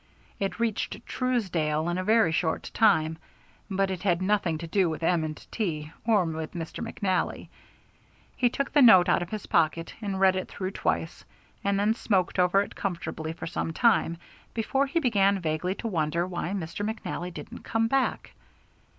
It reached Truesdale in a very short time, but it had nothing to do with M. & T., or with Mr. McNally. He took the note out of his pocket and read it through twice, and then smoked over it comfortably for some time before he began vaguely to wonder why Mr. McNally didn't come back.